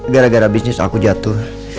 gara gara bisnis aku jatuh